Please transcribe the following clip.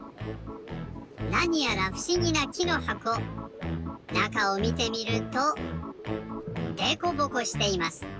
なにやらふしぎなきのはこ。なかをみてみるとデコボコしています。